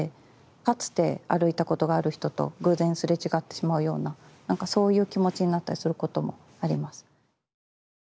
かつて歩いたことがある人と偶然すれ違ってしまうようななんかそういう気持ちになったりすることもあります。